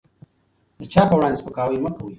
د چا په وړاندې سپکاوی مه کوئ.